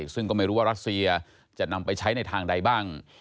ซึ่งก็ไม่รู้ว่ารัสเซียจะนำไปใช้ในทางใดบ้าง